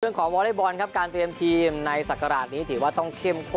วอเล็กบอลครับการเตรียมทีมในศักราชนี้ถือว่าต้องเข้มข้น